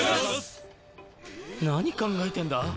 何考えてんだ？